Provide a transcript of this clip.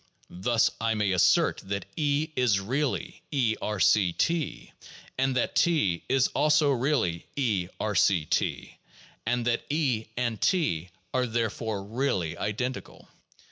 Thus I may assert that E is really (E)R C (T), and that T is also really (E)B C (T), and that E and T are therefore really identical.